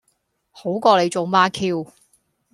好過你中孖 Q